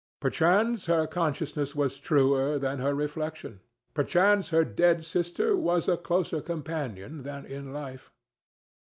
Perchance her consciousness was truer than her reflection; perchance her dead sister was a closer companion than in life.